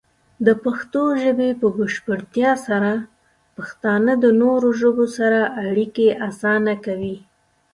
د پښتو ژبې په بشپړتیا سره، پښتانه د نورو ژبو سره اړیکې اسانه کوي.